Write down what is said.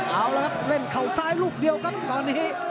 เอาละครับเล่นเข่าซ้ายลูกเดียวครับตอนนี้